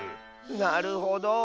なるほど。